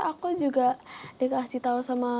aku juga dikasih tahu sama